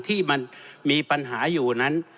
ที่มันมีปัญหาอยู่นั้น